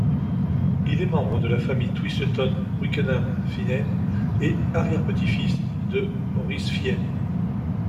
Il est membre de la famille Twisleton-Wykeham-Fiennes et arrière-petit-fils de Maurice Fiennes.